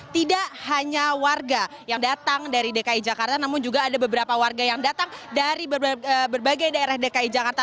tidak hanya warga yang datang dari dki jakarta namun juga ada beberapa warga yang datang dari berbagai daerah dki jakarta